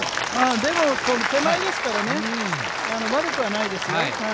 でも、手前ですからね、悪くはないですね。